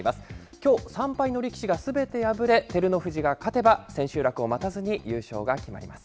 きょう３敗の力士がすべて敗れ、照ノ富士が勝てば、千秋楽を待たずに優勝が決まります。